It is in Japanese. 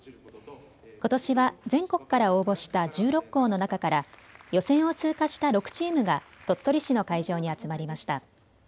ことしは全国から応募した１６校の中から予選を通過した６チームが鳥取市の会場に集まりました。